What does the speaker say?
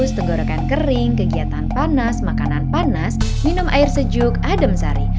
tenggorokan kering kegiatan panas makanan panas minum air sejuk adem sari